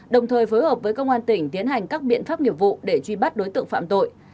đồng thời phối hợp với công an tỉnh tiến hành các biện pháp nghiệp vụ để truy bắt đối tượng phạm tội